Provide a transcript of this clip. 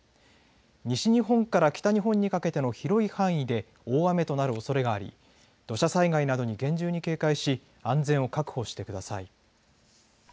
西日本から北日本にかけての広い範囲で大雨となるおそれがあり土砂災害などに厳重に警戒し安全を確保してください。